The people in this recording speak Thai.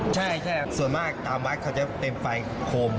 ใช่ส่วนมากตามบัตรเขาจะเต็มไฟครบ